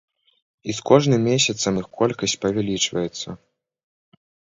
І з кожным месяцам іх колькасць павялічваецца.